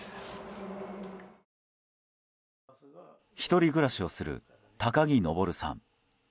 １人暮らしをする高木昇さん。